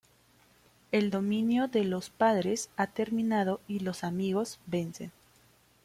El dominio de "Los Padres" ha terminado y "Los Amigos" vencen.